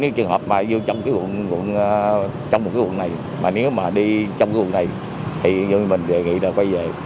nếu trường hợp mà vô trong cái quận này nếu mà đi trong cái quận này thì mình đề nghị là quay về